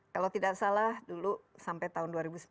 kalau tidak salah dulu sampai tahun dua ribu sembilan belas